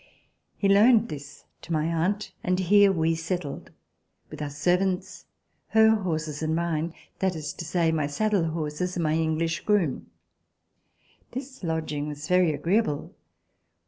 He loaned this to my aunt, and here we settled with our servants, her horses and mine, that is to say, my saddle horses and my English groom. This lodging was very agreeable.